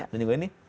dan juga ini